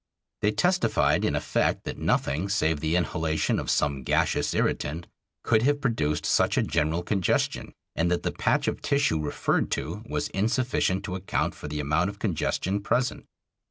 They testified, in effect, that nothing save the inhalation of some gaseous irritant could have produced such a general congestion, and that the patch of tissue referred to was insufficient to account for the amount of congestion present.